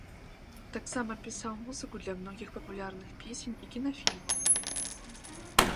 Таксама пісаў музыку для многіх папулярных песень і кінафільмаў.